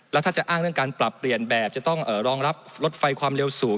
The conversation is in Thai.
แล้วถ้าจะอ้างเรื่องการปรับเปลี่ยนแบบจะต้องรองรับรถไฟความเร็วสูง